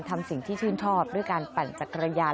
ทำสิ่งที่ชื่นชอบด้วยการปั่นจักรยาน